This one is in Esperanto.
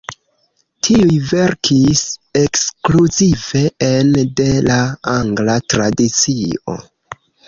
Tiuj verkis ekskluzive ene de la angla tradicio.